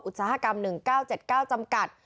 อุตสาหกรรม๑๙๗๙จำกัด